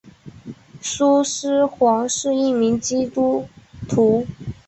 苏施黄是一名基督徒。